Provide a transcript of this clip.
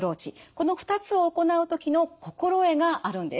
この２つを行う時の心得があるんです。